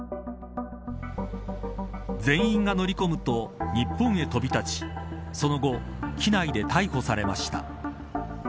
全員が乗り込むと日本へ飛び立ちその後、機内で逮捕されました。